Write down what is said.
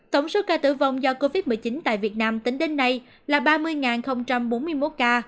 tổng số ca tử vong do covid một mươi chín tại việt nam tính đến nay là ba mươi bốn mươi một ca chiếm một chín so với tổng số ca mắc